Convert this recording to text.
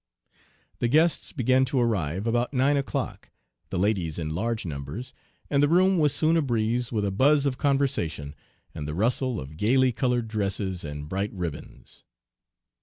"The guests began to arrive about nine o'clock, the ladies in large numbers, and the room was soon abreeze with a buzz of conversation and the rustle of gayly colored dresses and bright ribbons.